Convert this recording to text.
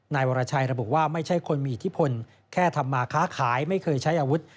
นายวรชัยระบุว่าไม่ใช่คนมีอิทธิพลแค่ทำมาค้าขายไม่เคยใช้อาวุธ